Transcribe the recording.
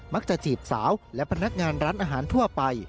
จีบสาวและพนักงานร้านอาหารทั่วไป